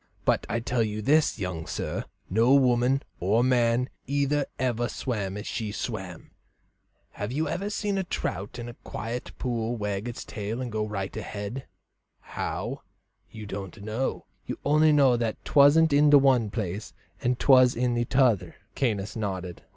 But I tell you this, young sir, no woman or man either ever swam as she swam. Have you seen a trout in a quiet pool wag its tail and go right ahead how, you didn't know; you only knew that 'twasn't in the one place and 'twas in t'other?" Caius nodded.